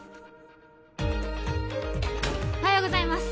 おはようございます。